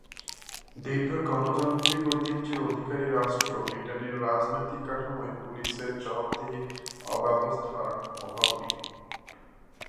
দীর্ঘ গণতান্ত্রিক ঐতিহ্যের অধিকারী রাষ্ট্র ব্রিটেনের রাজনৈতিক কাঠামোয় পুলিশের জবাবদিহির ব্যবস্থার অভাব নেই।